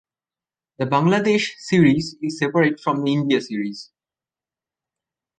The Bangladesh series is separate from the India series.